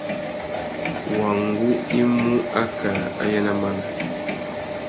Wăngú i mú akā ayê ná máná.